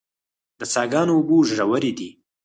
د څاه ګانو اوبه ژورې دي